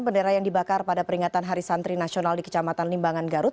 bendera yang dibakar pada peringatan hari santri nasional di kecamatan limbangan garut